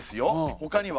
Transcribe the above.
他には？